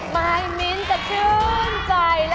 แพงกว่าแพงกว่า